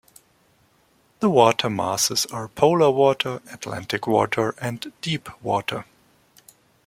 The water masses are Polar Water, Atlantic Water, and Deep Water.